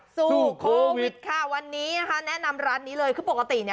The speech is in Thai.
สู้โควิดค่ะวันนี้นะคะแนะนำร้านนี้เลยคือปกติเนี่ย